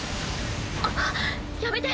あっやめて。